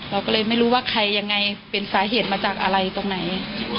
เราก็เลยไม่รู้ว่าใครยังไงเป็นสาเหตุมาจากอะไรตรงไหน